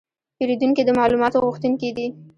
پیرودونکي د معلوماتو غوښتونکي دي.